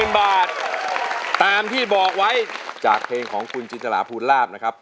๐๐บาทตามที่บอกไว้จากเพลงของคุณจินตราภูลาภนะครับ